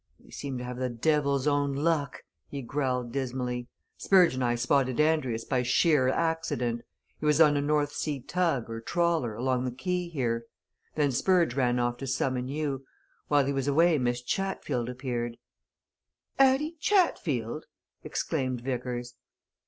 "We seem to have the devil's own luck!" he growled dismally. "Spurge and I spotted Andrius by sheer accident. He was on a North Sea tug, or trawler, along the quay here. Then Spurge ran off to summon you. While he was away Miss Chatfield appeared " "Addie Chatfield!" exclaimed Vickers.